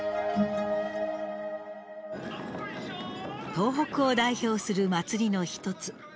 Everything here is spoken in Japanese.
東北を代表するまつりの一つ。